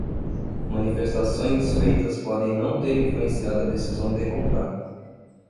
Manifestações feitas podem não ter influenciado a decisão de comprar.